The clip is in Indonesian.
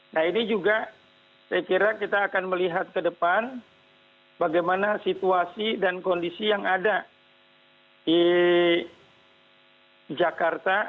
nah ini juga saya kira kita akan melihat ke depan bagaimana situasi dan kondisi yang ada di jakarta